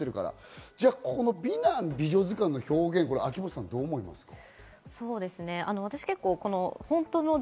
この美男・美女図鑑の表現、秋元さん、どう思いますか？